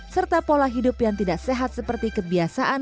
serta pola hidup yang tidak sehat seperti kebiasaan